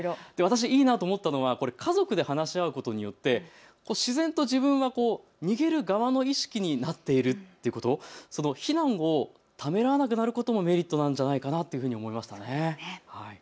私、いいなと思ったのは家族で話し合うことによって自然と自分は逃げる側の意識になっているということ、避難をためらわなくなることもメリットなんじゃないかなと思いました。